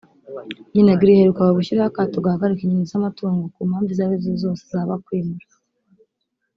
Minagri yaherukaga gushyiraho akato gahagarika ingendo z’amatungo ku mpamvu izo arizo zose zaba kwimura